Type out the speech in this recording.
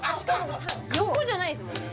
横じゃないですもんね。